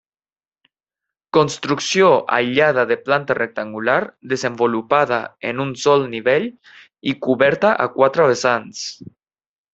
Construcció aïllada de planta rectangular desenvolupada en un sol nivell i coberta a quatre vessants.